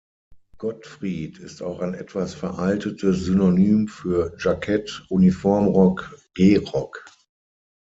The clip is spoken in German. Gottfried ist auch ein etwas veraltetes Synonym für Jackett, Uniformrock, Gehrock.